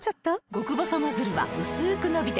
極細ノズルはうすく伸びて